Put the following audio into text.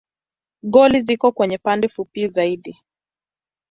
Goli ziko kwenye pande fupi zaidi.